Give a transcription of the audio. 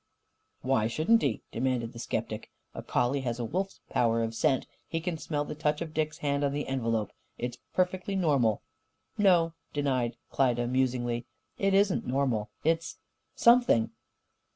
"Why shouldn't he?" demanded the sceptic. "A collie has a wolf's power of scent. He can smell the touch of Dick's hand on the envelope. It's perfectly normal." "No," denied Klyda, musingly, "it isn't normal. It's _Something!